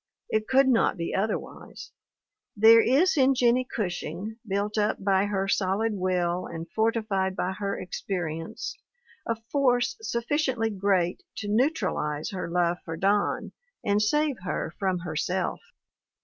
It could not be otherwise. There is in Jennie Gushing, built up by her solid will and fortified by her experience, a force sufficiently great to neutralize her love for Don and save her from herself.